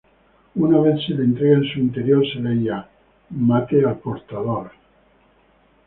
Una vez se la entrega, en su interior se leía: "Mate al portador".